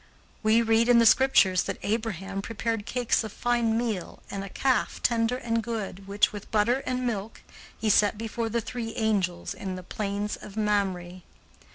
We read in the Scriptures that Abraham prepared cakes of fine meal and a calf tender and good, which, with butter and milk, he set before the three angels in the plains of Mamre.